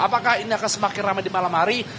apakah ini akan semakin ramai di malam hari